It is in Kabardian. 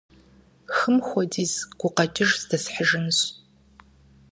«Хым хуэдиз» гукъэкӀыж здэсхьыжынщ.